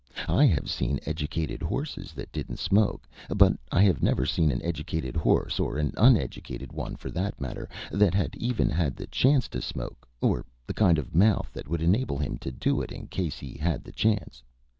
I have seen educated horses that didn't smoke, but I have never seen an educated horse, or an uneducated one, for that matter, that had even had the chance to smoke, or the kind of mouth that would enable him to do it in case he had the chance.